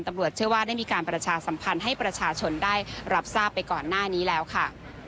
ตำรวจเชื่อว่าได้มีการประชาสัมพันธ์ให้ประชาชนได้รับทราบไปก่อนหน้านี้แล้วค่ะ